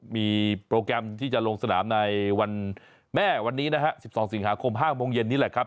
มีโปรแกรมที่จะลงสนามในวันแม่วันนี้นะฮะ๑๒สิงหาคม๕โมงเย็นนี่แหละครับ